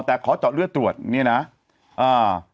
แต่ขอเจาะเลือดตรวจเนี่ยนะอ่า